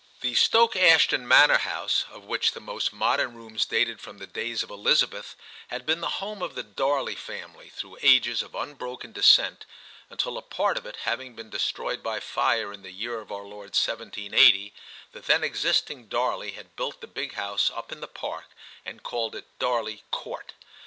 The Stoke Ashton manor house, of which the most modern rooms dated from the days of Elizabeth, had been the home of the Darley family through ages of unbroken descent, until a part of it having been destroyed by fire in the year of our Lord 1780, the then existing Darley had built the big house up in the park, and called it Darley Court.